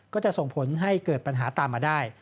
ก็จะส่งผลให้เกิดปัญหาตามมาได้